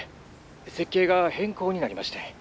設計が変更になりましてん。